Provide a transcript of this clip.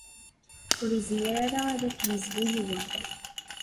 Ur yezmir ara ad ak-yezbu yiwen.